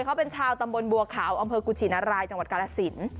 เขาเป็นชาวตำบลบัวขาวอำเภอกุชินรายจังหวัดกาลสิน